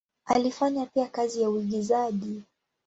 Alifanya pia kazi ya uigizaji.